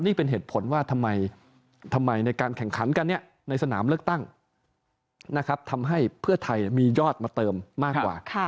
นี่เป็นเหตุผลว่าทำไมในการแข่งขันกันในสนามเลือกตั้งทำให้เพื่อไทยมียอดมาเติมมากกว่า